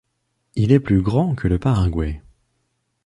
Il est plus grand que le Paraguay.